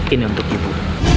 ini untuk ibu